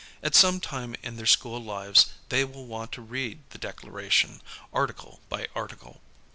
At some time in their school lives they will want to read the Declaration, Article by Article.